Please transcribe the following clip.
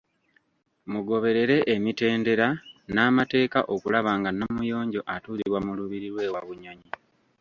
Mugoberere emitendera n’amateeka okulaba nga Namuyonjo atuuzibwa mu lubiri lw’e Wabunyonyi.